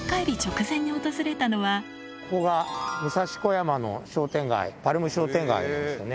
ここが武蔵小山の商店街、パルム商店街なんですよね。